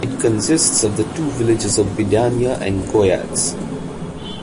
It consists of the two villages of Bidania and Goiatz.